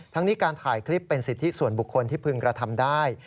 ทั้งนี้การถ่ายคลิปเป็นสิทธิส่วนบุคคลที่พึงกระทำได้